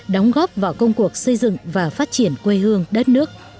đóng góp vào công cuộc xây dựng và phát triển quê hương đất nước